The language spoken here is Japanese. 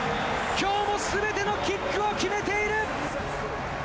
きょうもすべてのキックを決めている！